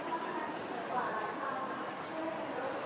ในตัวนี่ของชุดแบบได้นะครับ